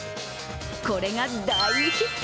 これが大ヒット。